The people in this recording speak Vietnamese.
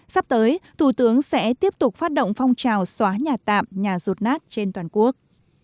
sắp tới thủ tướng sẽ tiếp tục phát động phong trào xóa nhà tạm nhà rột nát trên toàn quốc